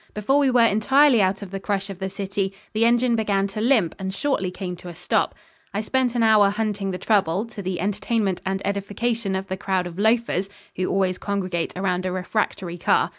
Before we were entirely out of the crush of the city, the engine began to limp and shortly came to a stop. I spent an hour hunting the trouble, to the entertainment and edification of the crowd of loafers who always congregate around a refractory car.